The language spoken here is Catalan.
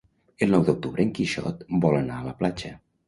El nou d'octubre en Quixot vol anar a la platja.